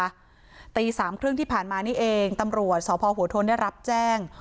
ตีสามครึ่งที่ผ่านมานี่เองตำรวจสพหัวทนได้รับแจ้ง